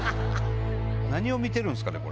何を見てるんすかね。